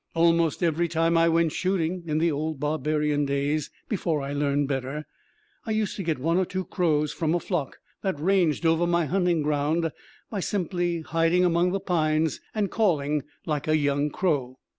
Almost every time I went shooting, in the old barbarian days before I learned better, I used to get one or two crows from a flock that ranged over my hunting ground by simply hiding among the pines and calling like a young crow.